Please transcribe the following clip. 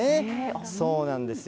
そうなんですよ。